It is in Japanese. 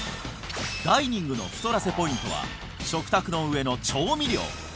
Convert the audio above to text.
ダイニングの太らせポイントは食卓の上の調味料